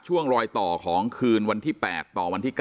ช่วงรอยต่อของคืนวันที่๘ต่อวันที่๙